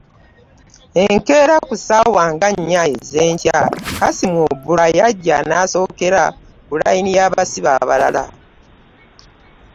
Enkeera ku ssaawa nga nnya ez’enkya Kassim Oburra yajja n’asookera ku layini y’abasibe abalala.